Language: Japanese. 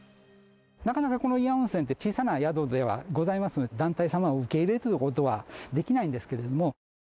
なかなかこの祖谷温泉って、小さな宿ではございますので、団体様を受け入れることはできないんですけれども。